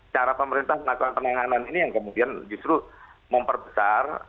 cara pemerintah melakukan penanganan ini yang kemudian justru memperbesar